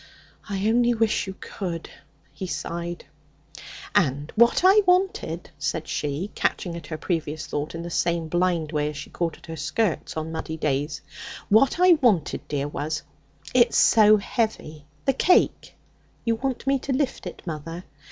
'I only wish you could,' he sighed. 'And what I wanted,' said she, catching at her previous thought in the same blind way as she caught at her skirts on muddy days 'what I wanted, dear, was it's so heavy, the cake ' 'You want me to lift it, mother?'